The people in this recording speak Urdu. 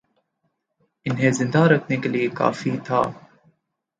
انہیں زندہ رکھنے کے لیے کافی تھا